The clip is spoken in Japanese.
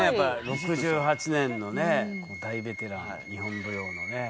６８年のね大ベテラン日本舞踊のね。